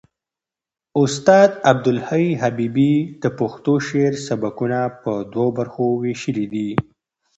استاد عبدالحی حبیبي د پښتو شعر سبکونه په دوو برخو وېشلي دي.